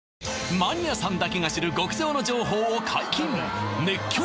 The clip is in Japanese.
マニアさんだけが知る極上の情報を解禁！